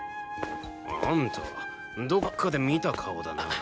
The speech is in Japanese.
あんたどっかで見た顔だな。